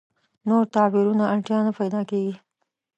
نور تعبیرونو اړتیا نه پیدا کېږي.